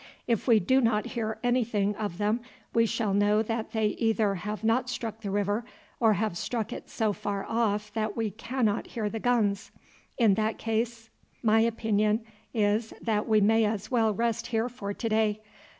If we do not hear anything of them we shall know that they either have not struck the river, or have struck it so far off that we cannot hear the guns. In that case my opinion is that we may as well rest here for to day.